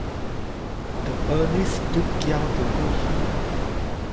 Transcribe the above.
Teʼ päʼnis tyäkyaju teʼ kuy.